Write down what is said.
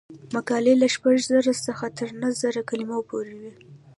مقالې له شپږ زره څخه تر نهه زره کلمو پورې وي.